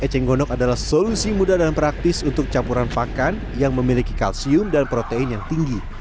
eceng gondok adalah solusi mudah dan praktis untuk campuran pakan yang memiliki kalsium dan protein yang tinggi